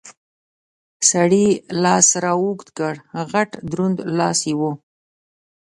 سړي لاس را اوږد کړ، غټ دروند لاس یې و.